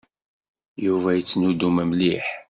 Yuba yettnuddum mliḥ.